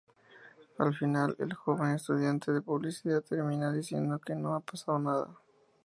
Al final, el joven estudiante de publicidad, termina diciendo que no ha pasado nada.